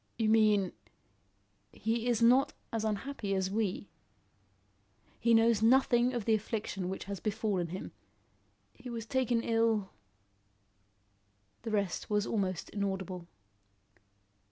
"You mean " "He is not as unhappy as we. He knows nothing of the affliction which has befallen him. He was taken ill " The rest was almost inaudible.